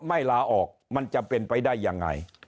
ลาออกมันจะเป็นไปได้ยังไง